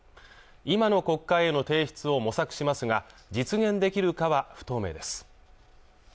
今の国会への提出を模索しますが実現できるかは不透明です